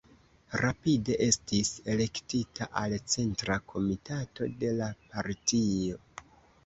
Rapide estis elektita al centra komitato de la partio.